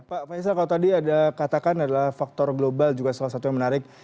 pak faisal kalau tadi ada katakan adalah faktor global juga salah satu yang menarik